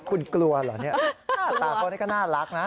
คุณกลัวเหรอเนี่ยตาเขานี่ก็น่ารักนะ